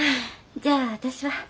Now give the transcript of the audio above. じゃあ私は。